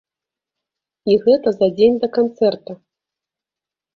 І гэта за дзень да канцэрта!